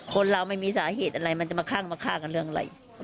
คนเราไม่มีสาเหตุอะไรมันจะมาข้างมาฆ่ากันเรื่องอะไร